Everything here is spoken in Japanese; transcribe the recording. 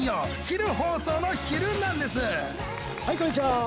はいこんにちは。